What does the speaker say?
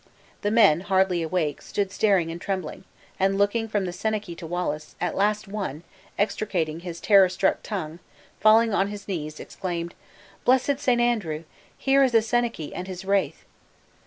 The men, hardly awake, stood staring and trembling, and looking from the senachie to Wallace; at last one, extricating his terror struck tongue, and falling on his knees, exclaimed: "Blessed St. Andrew! here is the senachie and his wraith."